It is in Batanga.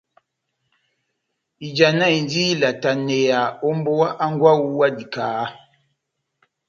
Ijanahindini ilataneya ó mbówa hángwɛ wawu wa dikaha.